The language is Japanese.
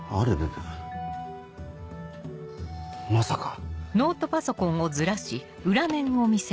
まさか！